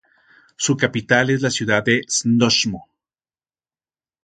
Su capital es la ciudad de Znojmo.